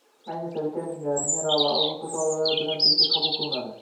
ayniqsa, vitaminlar, minerallar, ozuqa tolalari bilan birga qabul qilinadi.